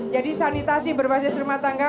jadi sanitasi berbasis rumah tangga